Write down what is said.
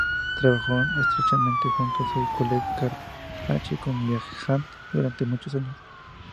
Trabajó estrechamente junto a su colega Karl H. von Wiegand durante muchos años.